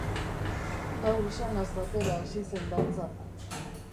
Hau esanaz batera hasi zen dantzan.